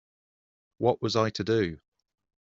What was I to do?